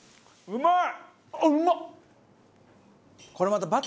うまい！